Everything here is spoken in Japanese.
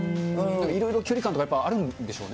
いろいろ距離感とかあるんでしょうね。